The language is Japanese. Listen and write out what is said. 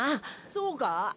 そうか？